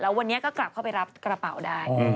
วันนี้ก็กลับเข้าไปรับกระเป๋าได้